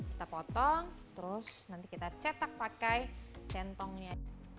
kita potong terus nanti kita cetak pakai centongnya